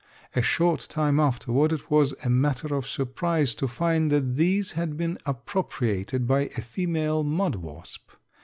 A short time afterward it was a matter of surprise to find that these had been appropriated by a female mud wasp.